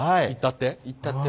いったって。